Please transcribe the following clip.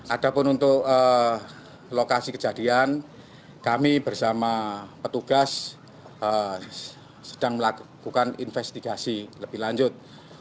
ada pun untuk lokasi kejadian kami bersama petugas sedang melakukan investigasi lebih lanjut